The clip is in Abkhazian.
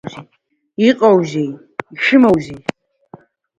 Иҟоузеи, ишәымоузеи?